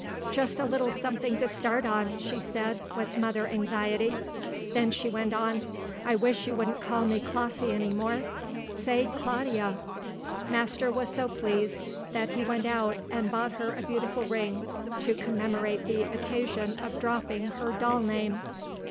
"Just a little something to start on," she said with mother anxiety, then she went on, "I wish you wouldn't call me Clossie any more; say Claudia." Master was so pleased, that he went out and bought her a beautiful ring, to commemorate the occasion of dropping her doll name.